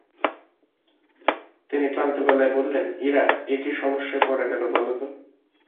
তিনি ক্লান্ত গলায় বললেন, ইরা, এ কী সমস্যায় পড়া গেল বল তো!